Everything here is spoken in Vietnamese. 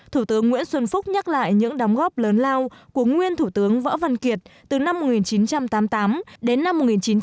thủ tướng nguyễn xuân phúc nhắc lại những đóng góp lớn lao của nguyên thủ tướng võ văn kiệt từ năm một nghìn chín trăm tám mươi tám đến năm một nghìn chín trăm bảy mươi